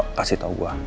kasih tau gue